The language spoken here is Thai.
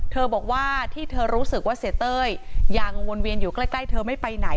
บอกว่าที่เธอรู้สึกว่าเสียเต้ยยังวนเวียนอยู่ใกล้เธอไม่ไปไหน